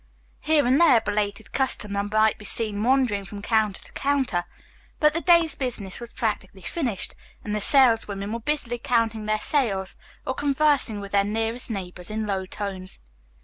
Here and there a belated customer might be seen wandering from counter to counter, but the day's business was practically finished and the saleswomen were busily counting their sales or conversing with their nearest neighbors in low tones.